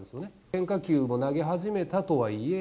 変化球を投げ始めたとはいえ。